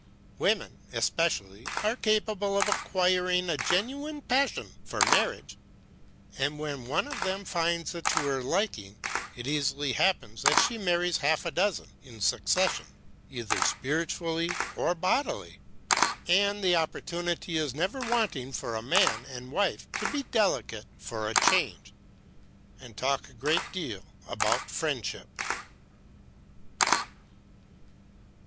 Women especially are capable of acquiring a genuine passion for marriage; and when one of them finds it to her liking, it easily happens that she marries half a dozen in succession, either spiritually or bodily. And the opportunity is never wanting for a man and wife to be delicate for a change, and talk a great deal about friendship."